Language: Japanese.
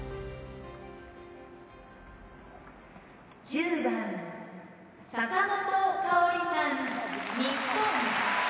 「１０番坂本花織さん日本」